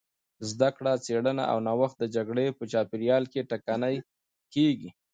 زدهکړه، څېړنه او نوښت د جګړې په چاپېریال کې ټکنۍ کېږي.